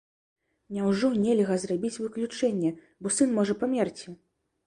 Няўжо нельга зрабіць выключэнне, бо сын можа памерці?!